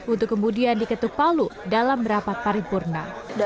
untuk kemudian diketuk palu dalam rapat paripurna